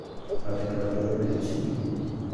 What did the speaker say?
A temperatura média subiu.